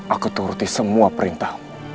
aku turuti semua perintahmu